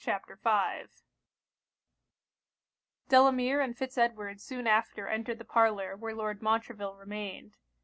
CHAPTER V Delamere and Fitz Edward soon after entered the parlour where Lord Montreville remained.